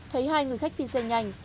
thấy hai người khách phiên xe nhanh